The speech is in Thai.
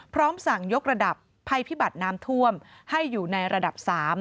พร้อมสั่งยกระดับภัยพิบัติน้ำท่วมให้อยู่ในระดับ๓